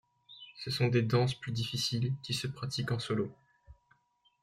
Ce sont des danses plus difficiles, qui se pratiquent en solo.